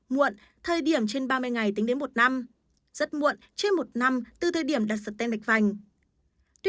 muộn thời điểm trên ba mươi ngày tính đến một năm rất muộn trên một năm từ thời điểm đặt st ten mạch vành